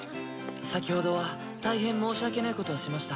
先ほどは大変申し訳ないことをしました。